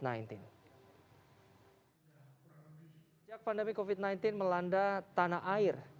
sejak pandemi covid sembilan belas melanda tanah air